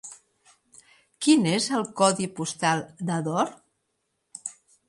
Quin és el codi postal d'Ador?